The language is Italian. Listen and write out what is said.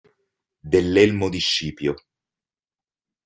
Dell'elmo di Scipio.